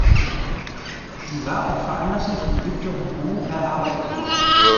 Sie war auf Veranlassung von Victor Hugo erarbeitet worden.